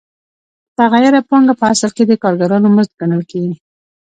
متغیره پانګه په اصل کې د کارګرانو مزد ګڼل کېږي